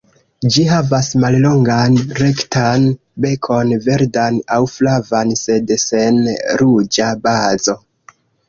Ĝi havas mallongan rektan bekon, verdan aŭ flavan sed sen ruĝa bazo.